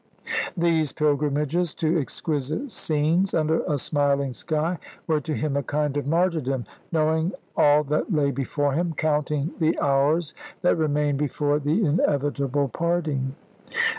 These pilgrimages to exquisite scenes, under a smiling sky, were to him a kind of martyrdom, knowing all that lay before him, counting the hours that remained before the inevitable parting.